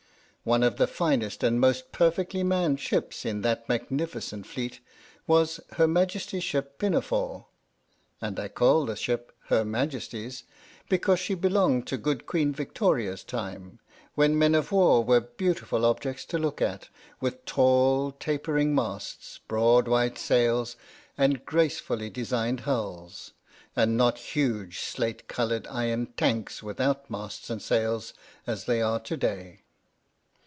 One of the finest and most perfectly manned ships in that magnificent Fleet was Her Majesty's Ship Pinafore, and I call the ship " Her Majesty's " because she belonged to good Queen Victoria's time, when men of war were beautiful objects to look at, with tall tapering masts, broad white sails, and gracefully designed hulls; and not huge slate coloured iron tanks without masts and sails as they are to day.